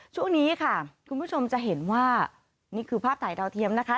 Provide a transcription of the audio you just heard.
ช่วงนี้ค่ะคุณผู้ชมจะเห็นว่านี่คือภาพถ่ายดาวเทียมนะคะ